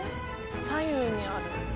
左右にある。